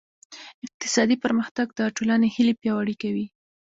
اقتصادي پرمختګ د ټولنې هیلې پیاوړې کوي.